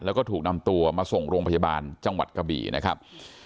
แล้วก็ถูกนำตัวมาส่งโรงพยาบาลจังหวัดกะบี่นะครับ